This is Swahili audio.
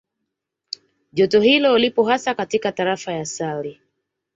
Joto hilo lipo hasa katika Tarafa ya Sale